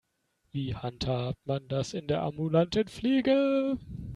Wie handhabt man das in der ambulanten Pflege?